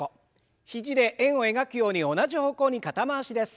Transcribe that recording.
肘で円を描くように同じ方向に肩回しです。